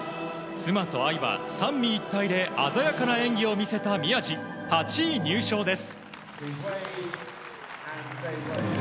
妻と愛馬、三位一体で鮮やかな演技を見せた宮路８位入賞です。